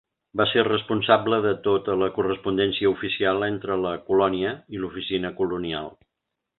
Va ser responsable de tota la correspondència oficial entre la colònia i l'oficina colonial.